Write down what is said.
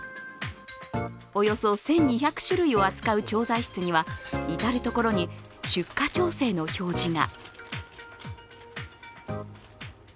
およそ１２００種類を扱う調剤室には至る所に出荷調整の表示が。